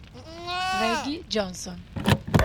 Reggie Johnson